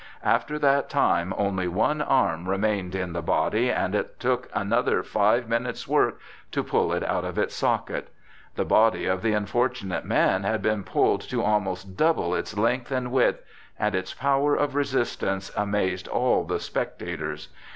After that time only one arm remained in the body, and it took another five minutes' work to pull it out of its socket. The body of the unfortunate man had been pulled to almost double its length and width, and its power of resistance amazed all the spectators.